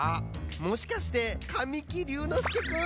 もしかして神木隆之介くん？